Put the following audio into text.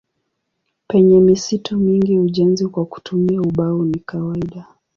Penye misitu mingi ujenzi kwa kutumia ubao ni kawaida.